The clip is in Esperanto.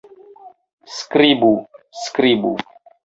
Skribu! Skribu!